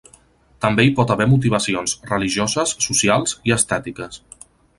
També hi pot haver motivacions, religioses, socials i estètiques.